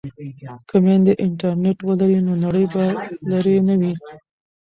که میندې انټرنیټ ولري نو نړۍ به لرې نه وي.